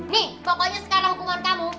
nih pokoknya sekarang hubungan kamu